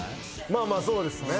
まあまあそうですね